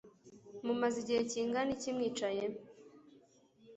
Mumaze igihe kingana iki mwicaye